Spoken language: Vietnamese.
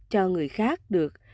cho người khác được